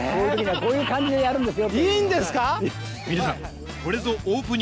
こういう感じだよ。